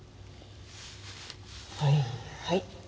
はいはい。